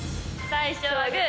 最初はグー。